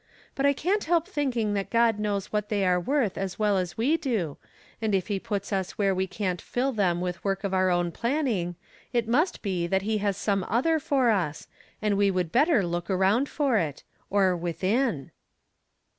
.But I can't help thinking that God knows what" they are worth as well as we do, and if he puts us where we can't fill them with work of our own planning, it must be that he has some other for us, and we would better look around for it — or within."